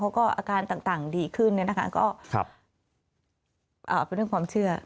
อาการต่างดีขึ้นก็เป็นเรื่องความเชื่อ